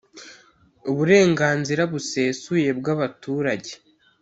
Uburenganzira busesuye bw’abaturage.